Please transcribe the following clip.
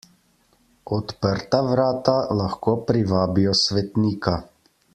Odprta vrata lahko privabijo svetnika.